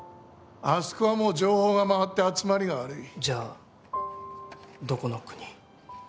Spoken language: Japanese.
あそこはもう情報が回って集まりが悪いじゃあどこの国？